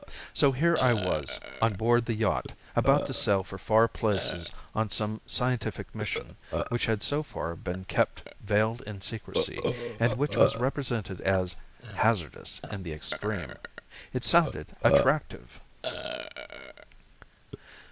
So here I was, on board the yacht, about to sail for far places on some scientific mission which had so far been kept veiled in secrecy and which was represented as "hazardous in the extreme." It sounded attractive!